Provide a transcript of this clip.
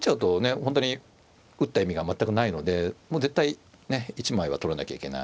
本当に打った意味が全くないのでもう絶対１枚は取らなきゃいけない。